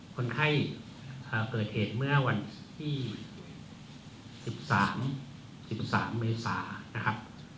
คนไข้เกิดเหตุเมื่อวันที่๑๓เมษา